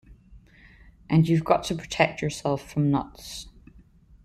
And you've got to protect yourself from nuts.